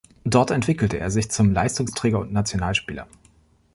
Dort entwickelte er sich zum Leistungsträger und Nationalspieler.